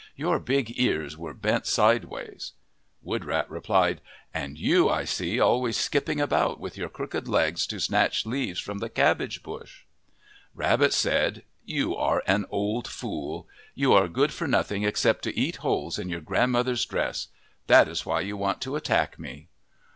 Your big ears were bent sidewise." Woodrat replied, " And you I see always skip ping about with your crooked legs to snatch leaves from the cabbage bush." Rabbit said, " You are an old fool. You are good for nothing except to eat holes in your grandmother's dress. That is why you want to attack me."